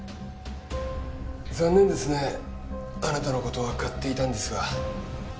残念ですねあなたの事は買っていたんですが。